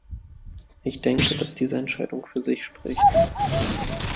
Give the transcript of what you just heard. Ich denke, dass diese Entscheidung für sich spricht.